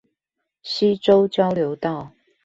溪洲交流道